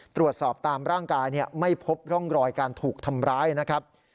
ตรวจสอบตามร่างกายไม่พบร่องรอยการถูกทำร้ายนะครับ